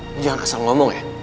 lo jangan kesel ngomong ya